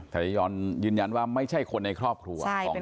ธัยย้อนยืนยันว่าไม่ใช่คนในครอบครัวของน้องชมพู่